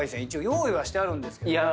一応用意はしてあるんですけど。